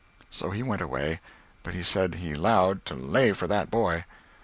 So he went away; but he said he "'lowed" to "lay" for that boy.